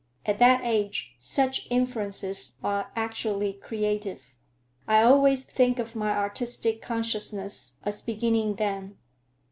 At that age, such influences are actually creative. I always think of my artistic consciousness as beginning then."